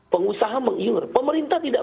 pengusaha mengiur pemerintah tidak